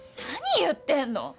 何言ってんの？